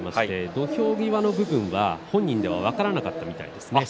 土俵際の部分が本人は分からなかったみたいです。